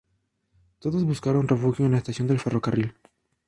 Todos buscaron refugio en la estación del ferrocarril.